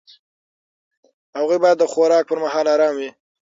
هغوی باید د خوراک پر مهال ارام وي.